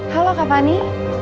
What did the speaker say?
halo kak fanny